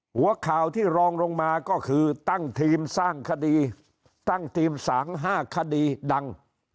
หัวข่าวที่รองลงมาก็คือตั้งทีมสร้างคดีตั้งทีมสาง๕คดีดัง